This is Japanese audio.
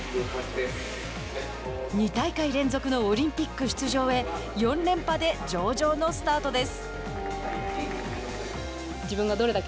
２大会連続のオリンピック出場へ４連覇で上々のスタートです。